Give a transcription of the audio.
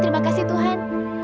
terima kasih tuhan